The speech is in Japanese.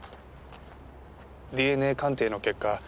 ＤＮＡ鑑定の結果